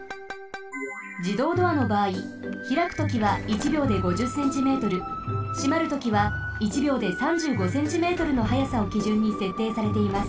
自動ドアのばあい開くときは１秒で５０ｃｍ閉まるときは１秒で３５ｃｍの速さをきじゅんにせっていされています。